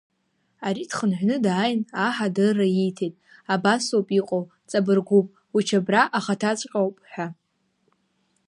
Ари дхынҳәны дааин аҳ адырра ииҭеит, абасоуп иҟоу, ҵабыргуп, учабра ахаҭаҵәҟьоуп, ҳәа.